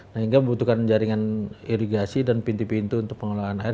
sehingga membutuhkan jaringan irigasi dan pintu pintu untuk pengelolaan air